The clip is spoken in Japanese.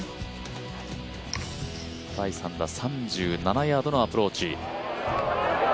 第３打、３７ヤードのアプローチ。